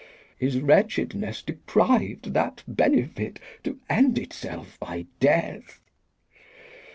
Is wretchedness depriv'd that benefit To end itself by death?